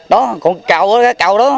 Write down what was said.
đó còn cào đó cào đó